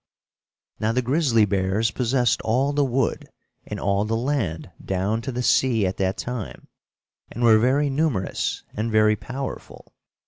Now, the grizzly bears possessed all the wood and all the land down to the sea at that time, and were very numerous and very powerful.